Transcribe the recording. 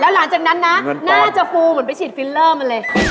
หลังจากนั้นนะน่าจะฟูเหมือนไปฉีดฟิลเลอร์มาเลย